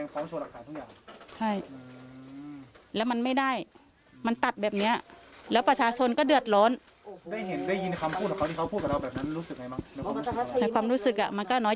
พร้อมชี้แจ้งพร้อมโชว์หลักฐานทุกอย่าง